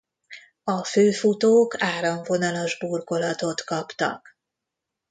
A főfutók áramvonalas burkolatot kaptak.